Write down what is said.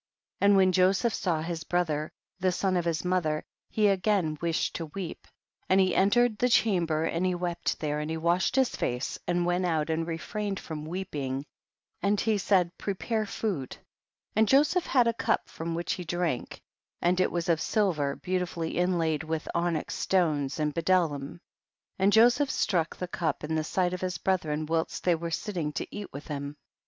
And when Joseph saw his brother, the son of his mother, he again wished to weep, and he enter ed the chamber, and he wept there, and he washed his face, and went out and refrained //"om weeping, and he said, prepare food. 11. And Joseph had a cup from which he drank, and it was of silver beautifully inlaid with onyx stones and bdellium, and Joseph struck the cup in the sight of his brethren whilst they were sitting to eat with him.